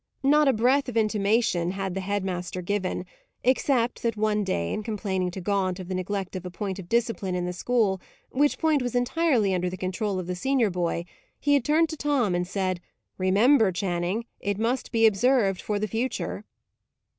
Not a breath of intimation had the head master given; except that, one day, in complaining to Gaunt of the neglect of a point of discipline in the school, which point was entirely under the control of the senior boy, he had turned to Tom, and said, "Remember, Channing, it must be observed for the future."